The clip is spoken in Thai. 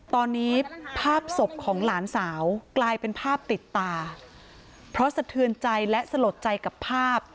ตอนนี้ภาพศพของหลานสาวกลายเป็นภาพติดตาเพราะสะเทือนใจและสลดใจกับภาพ